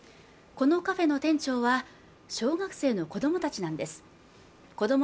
このカフェの店長は小学生の子供たちなんです子ども